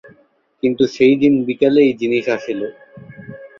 কিন্তু সেই দিন বিকালেই জিনিস আসিল।